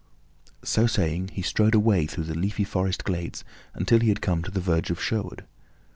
So saying, he strode away through the leafy forest glades until he had come to the verge of Sherwood.